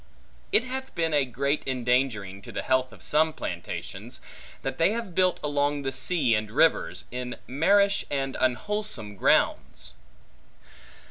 It hath been a great endangering to the health of some plantations, that they have built along the sea and rivers, in marish and unwholesome grounds.